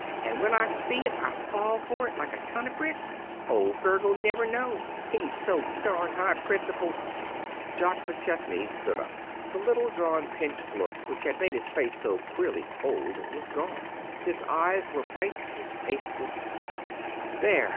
And when I see it I fall for it like a ton of bricks. Old Berg'll never know. He's so darned high principled " Jock McChesney stood up. The little drawn pinched look which had made his face so queerly old was gone. His eyes were bright. His face was flushed. "There!